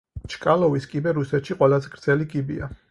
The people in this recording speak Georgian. ჩკალოვის კიბე რუსეთში ყველაზე გრძელი კიბეა.